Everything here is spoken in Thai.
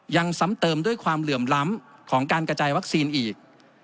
ซ้ำเติมด้วยความเหลื่อมล้ำของการกระจายวัคซีนอีก